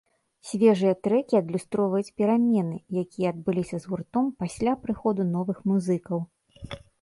Свежыя трэкі адлюстроўваюць перамены, якія адбыліся з гуртом пасля прыходу новых музыкаў.